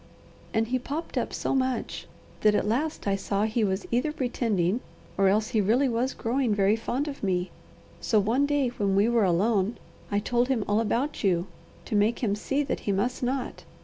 "And he popped up so much that at last I saw he was either pretending or else he really was growing very fond of me, so one day when we were alone I told him all about you, to make him see that he must not.